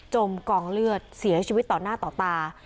จมกองเลือดเสียชีวิตต่อหน้าต่อตา